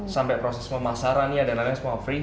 sampai proses pemasaran ya dan lain lain semua free